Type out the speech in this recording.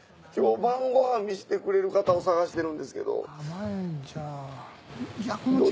今日晩ご飯見せてくれる方を探してるんですけど。